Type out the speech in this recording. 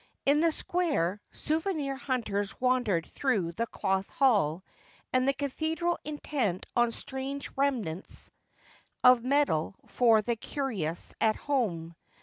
In the square, souvenir hunters wandered through the Cloth Flail and the cathedral intent on strange remnants of metal for the curious at home.